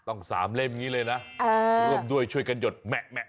๓เล่มอย่างนี้เลยนะร่วมด้วยช่วยกันหยดแมะ